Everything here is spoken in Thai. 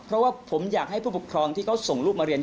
เพราะว่าผมอยากให้ผู้ปกครองที่เขาส่งลูกมาเรียน